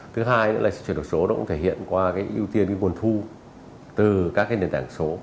thứ hai là sự chuyển đổi số nó cũng thể hiện qua ưu tiên của nguồn thu từ các nền tảng số